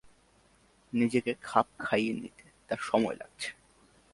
নিজেকে খাপ খাইয়ে নিতে তাঁর সময় লাগছে।